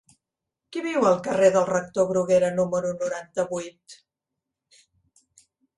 Qui viu al carrer del Rector Bruguera número noranta-vuit?